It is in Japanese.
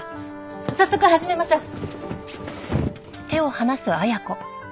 早速始めましょう。